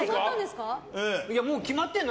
もう決まってんの？